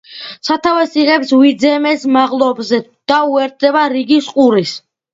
სათავეს იღებს ვიძემეს მაღლობზე და უერთდება რიგის ყურეს.